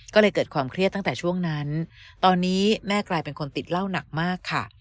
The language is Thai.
ก็เลยเกิดความเครียดตั้งแต่ช่วงนั้นตอนนี้แม่กลายเป็นคนติดเหล้าหนักมากค่ะ